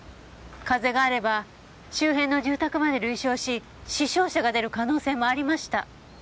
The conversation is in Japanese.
風があれば周辺の住宅まで類焼し死傷者が出る可能性もありました。